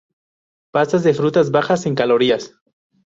Pastas de frutas bajas en calorías.